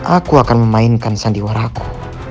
aku akan memainkan sandiwaraku